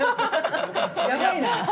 ◆やばいな。